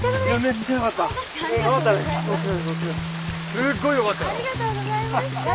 すっごいよかったよ！